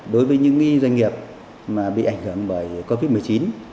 đối với những doanh nghiệp bị ảnh hưởng bởi covid một mươi chín